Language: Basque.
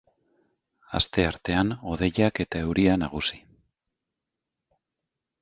Asteartean hodeiak eta euria nagusi.